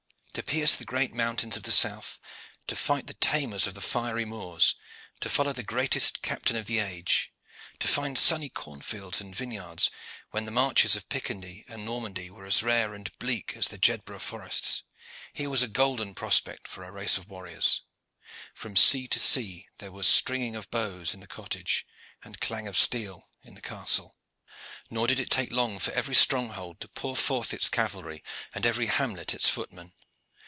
To pierce the great mountains of the south, to fight the tamers of the fiery Moors, to follow the greatest captain of the age, to find sunny cornfields and vineyards, when the marches of Picardy and Normandy were as rare and bleak as the Jedburgh forests here was a golden prospect for a race of warriors. From sea to sea there was stringing of bows in the cottage and clang of steel in the castle. Nor did it take long for every stronghold to pour forth its cavalry, and every hamlet its footmen.